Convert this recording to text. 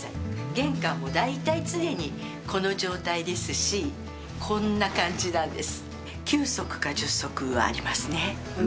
玄関も大体常にこの状態ですしこんな感じなんです。